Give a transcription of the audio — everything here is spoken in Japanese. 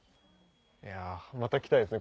いやまた来たいですね